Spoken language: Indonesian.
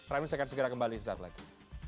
ramin saya akan segera kembali sekejap lagi